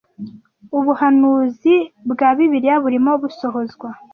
ubuhanuzi bwa Bibiliya burimo busohozwa